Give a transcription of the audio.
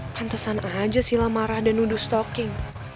pantesan aja sila marah dan nudus talking